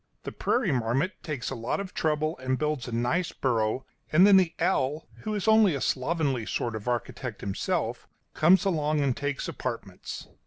The prairie marmot takes a lot of trouble and builds a nice burrow, and then the owl, who is only a slovenly sort of architect himself, comes along and takes apartments.